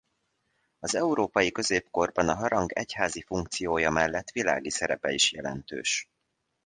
Az európai középkorban a harang egyházi funkciója mellett világi szerepe is jelentős.